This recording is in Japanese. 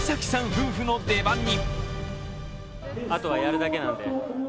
夫婦の伝番に。